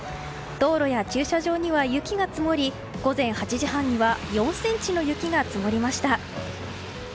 道路や駐車場には雪が積もり午前８時半には４ｃｍの雪が積もりました。